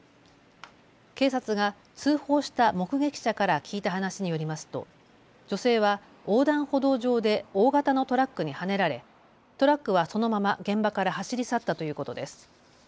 警察が通報した目撃者から聞いた話によりますと女性は横断歩道上で大型のトラックにはねられトラックはそのまま現場から走り去ったということです。